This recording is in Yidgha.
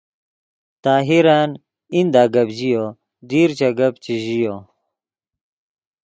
طاہرن ایندہ گپ ژیو دیر چے گپ چے ژیو